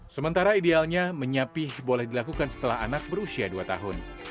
sementara idealnya menyapih boleh dilakukan setelah anak berusia dua tahun